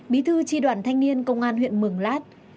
bí thư tri đoàn thanh niên công an huyện mường lát